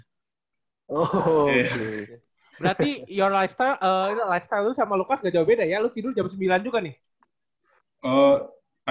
berarti your lifestyle itu sama lukas gak jauh beda ya lu tidur jam sembilan juga nih